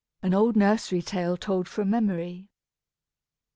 (_An old nursery tale told from memory.